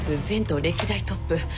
全棟歴代トップ。